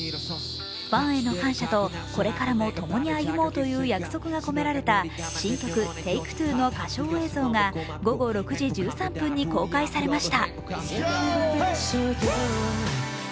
ファンへの感謝と、これからも共に歩もうという約束が込められた新曲「ＴａｋｅＴｗｏ」の歌唱映像が午後６時１３分に公開されました。